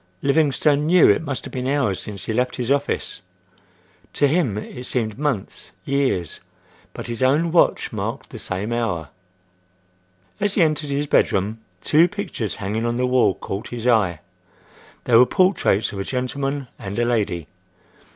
Livingstone knew it must have been hours since he left his office. To him it seemed months, years;—but his own watch marked the same hour. As he entered his bedroom, two pictures hanging on the wall caught his eye. They were portraits of a gentleman and a lady.